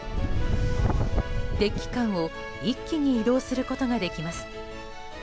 デッキ間を一気に移動することができます。